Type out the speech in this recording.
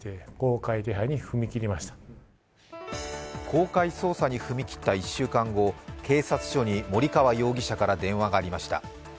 公開捜査に踏み切った１週間後、警察署に森川容疑者から電話がありました。